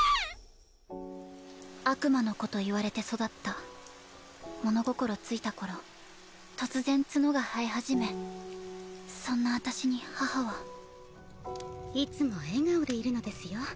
悪魔の子と言われて育った物心ついた頃突然角が生え始めそんな私に母はいつも笑顔でいるのですよ